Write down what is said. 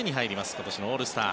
今年のオールスター。